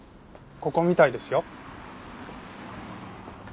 ここみたいですよ。